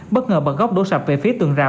bất ngờ bật góc đổ sạp về phía tường rào